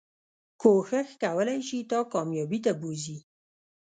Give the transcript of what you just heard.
کوښښ کولی شي تا کاميابی ته بوځي